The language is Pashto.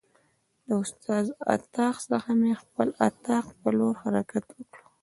د استاد اتاق څخه مې خپل اتاق په لور حرکت وکړ.